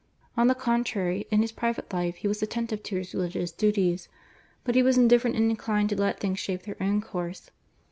On the contrary in his private life he was attentive to his religious duties, but he was indifferent and inclined to let things shape their own course.